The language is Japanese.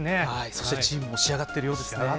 そしてチームも仕上がっているようですね。